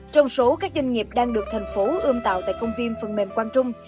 trong số các doanh nghiệp đang được thành phố ươm tạo tại công viên phần mềm quang trung